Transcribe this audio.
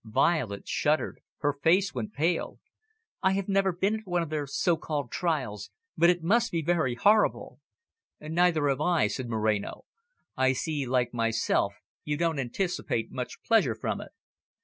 Violet shuddered; her face went pale. "I have never been at one of their so called trials, but it must be very horrible." "Neither have I," said Moreno. "I see, like myself, you don't anticipate much pleasure from it."